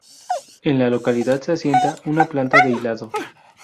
En la localidad se asienta una planta de hilado.